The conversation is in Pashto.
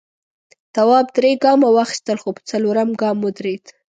تواب درې گامه واخیستل خو په څلورم گام ودرېد.